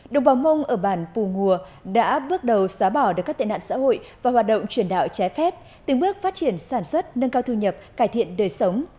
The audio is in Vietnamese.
đồng bào mông ở bản pù ngùa đã bước đầu xóa bỏ được các tệ nạn xã hội và hoạt động truyền đạo trái phép từng bước phát triển sản xuất nâng cao thu nhập cải thiện đời sống